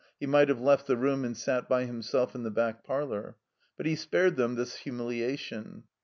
He might have left the room and sat by himself in the back parlor. But he spared them this humiliation.